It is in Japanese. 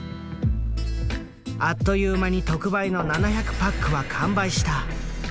あっという間に特売の７００パックは完売した。